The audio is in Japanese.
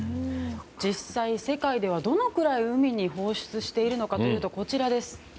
実際、世界ではどのくらい海に放出しているかというと。